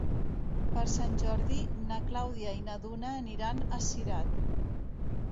Per Sant Jordi na Clàudia i na Duna aniran a Cirat.